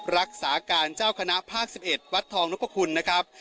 รักษาการเจ้าคณะภาค๑๑วัดทองนพคุณนะครับ